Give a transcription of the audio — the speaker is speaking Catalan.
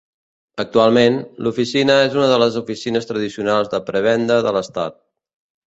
Actualment, l'oficina és una de les oficines tradicionals de prebenda de l'estat.